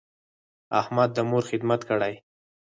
احمد د مور خدمت کړی.